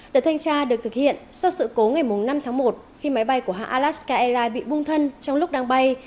đợt thanh tra được thực hiện sau sự cố ngày năm tháng một khi máy bay của hãng alaska airlines bị bung thân trong lúc đang bay